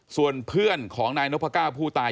ส่วนเพื่อนของนายนพก้าวผู้ตาย